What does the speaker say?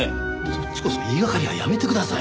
そっちこそ言いがかりはやめてください。